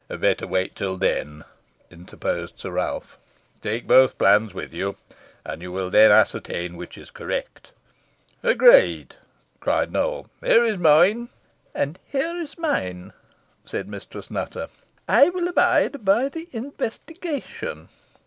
"Better wait till then," interposed Sir Ralph. "Take both plans with you, and you will then ascertain which is correct." "Agreed," cried Nowell. "Here is mine." "And here is mine," said Mistress Nutter. "I will abide by the investigation."